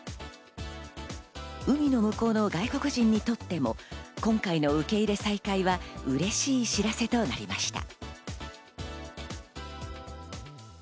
海の向こうの外国人にとっても今回の受け入れ再開は嬉しい知らせとなりました。